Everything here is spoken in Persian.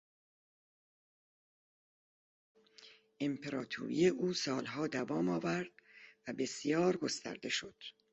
امپراتوری او سالها دوام آورد و بسیار گسترده شد.